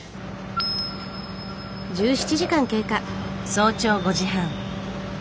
早朝５時半。